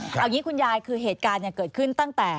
เอาอย่างนี้คุณยายคือเหตุการณ์เกิดขึ้นตั้งแต่